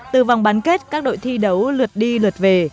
từ vòng bán kết các đội thi đấu lượt đi lượt về